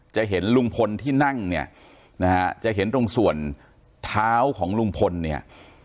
จะเห็นลุงพลที่นั่งเนี่ยนะฮะจะเห็นตรงส่วนเท้าของลุงพลเนี่ย